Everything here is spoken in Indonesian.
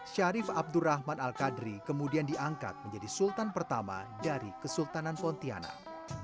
syarif abdurrahman al qadri kemudian diangkat menjadi sultan pertama dari kesultanan pontianak